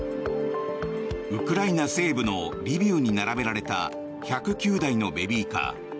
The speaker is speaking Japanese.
ウクライナ西部のリビウに並べられた１０９台のベビーカー。